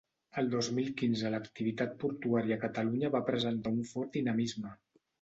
El dos mil quinze l'activitat portuària a Catalunya va presentar un fort dinamisme.